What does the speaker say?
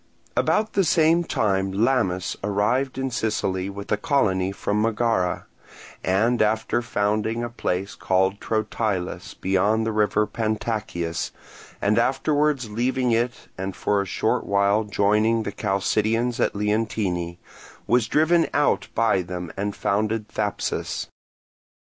About the same time Lamis arrived in Sicily with a colony from Megara, and after founding a place called Trotilus beyond the river Pantacyas, and afterwards leaving it and for a short while joining the Chalcidians at Leontini, was driven out by them and founded Thapsus.